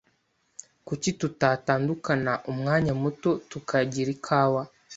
Kuki tutatandukana umwanya muto tukagira ikawa?